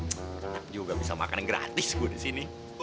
ck enak juga bisa makan yang gratis gua di sini